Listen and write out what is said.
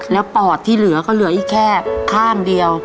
แล้วปอดที่เหลือก็เหลืออีกแค่ข้างเดียว